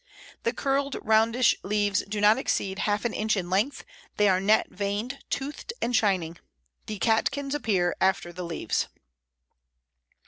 The curled, roundish leaves do not exceed half an inch in length; they are net veined, toothed, and shining. The catkins appear after the leaves.